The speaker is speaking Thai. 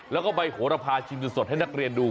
แล้วก็ไปโหลปะชินสุดให้นักเรียนดู